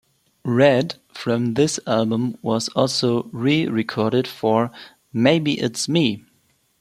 "Red" from this album was also re-recorded for "Maybe It's Me".